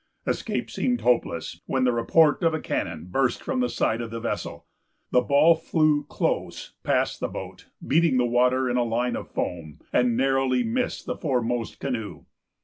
Escape seemed hopeless, when the report of a cannon burst from the side of the vessel. The ball flew close past the boat, beating the water in a line of foam, and narrowly missing the foremost canoe.